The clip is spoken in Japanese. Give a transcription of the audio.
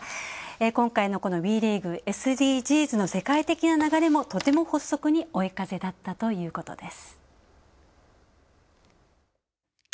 今回のＷＥリーグ、ＳＤＧｓの世界的な流れもとても発足に追い風だったということです。